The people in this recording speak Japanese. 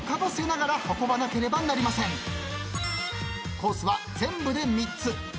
コースは全部で３つ。